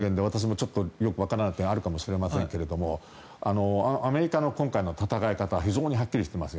個々のバイデンの発言で私もよくわからない点はあるかもしれませんがアメリカの今回の戦い方は非常にはっきりしています。